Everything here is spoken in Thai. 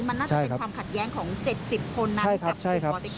มันน่าจะเป็นความขัดแย้งของ๗๐คนนั้นกับกลุ่มบิ๊ก